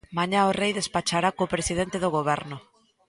Mañá o Rei despachará co presidente do Goberno.